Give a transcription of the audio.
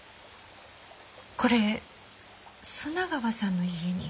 これ砂川さんの家に。